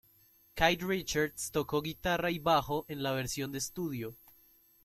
Keith Richards tocó guitarra y bajo en la versión de estudio.